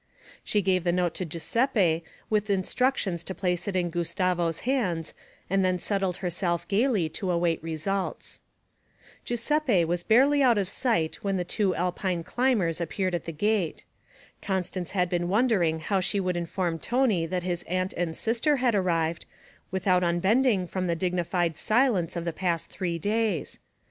She gave the note to Giuseppe with instructions to place it in Gustavo's hands, and then settled herself gaily to await results. Giuseppe was barely out of sight when the two Alpine climbers appeared at the gate. Constance had been wondering how she could inform Tony that his aunt and sister had arrived, without unbending from the dignified silence of the past three days.